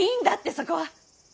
そこは！